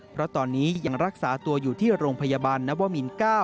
เพราะตอนนี้ยังรักษาตัวอยู่ที่โรงพยาบาลนวมิน๙